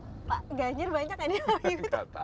pak ganjar banyak kan ya